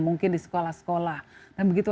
mungkin di sekolah sekolah dan begitu